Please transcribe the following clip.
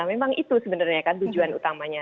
memang itu sebenarnya kan tujuan utamanya